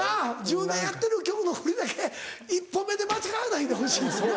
１０年やってる曲の振りだけ一歩目で間違わないでほしいねな。